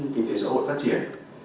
kinh tế xã hội tác triển